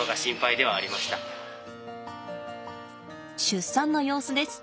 出産の様子です。